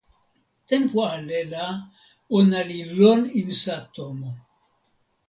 tenpo ale la ona li lon insa tomo.